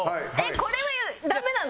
これはダメなの？